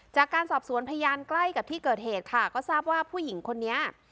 จากการสอบสวนพยานใกล้กับที่เกิดเหตุค่ะก็ทราบว่าผู้หญิงคนนี้